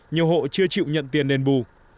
nhiều hộ chưa chịu nhận tiền đền bù